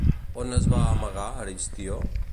On es va amagar Aristió?